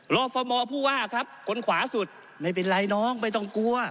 ฟอร์มผู้ว่าครับคนขวาสุดไม่เป็นไรน้องไม่ต้องกลัว